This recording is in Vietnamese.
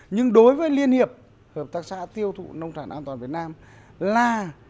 nhưng đối với liên hiệp hợp tác xã tiêu thụ nông sản an toàn việt nam là